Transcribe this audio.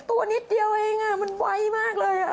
ตัวนิดเดียวเองมันไวมากเลย